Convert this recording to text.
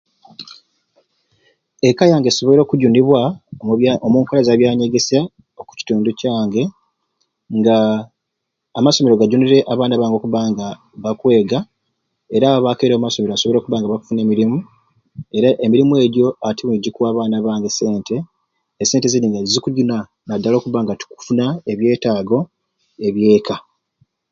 Eka yange esoboire okujunibwa omu bya... omunkola za byanyegesya oku kitundu kyange nga amasomero gajunire abaana bange okubba nga bakwega era abo abakaire omu masomero basoboire okubba nga bakufuna emirimu era emirimu egyo ati buni gikuwa abaana bange e sente, e sente zini nizikujuna nadala okubba nga tukufuna ebyetaago ebyeka.